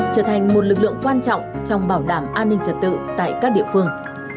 trở thành một lực lượng quan trọng trong bảo đảm an ninh trật tự tại các địa phương